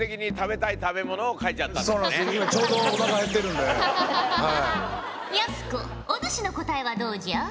やす子お主の答えはどうじゃ？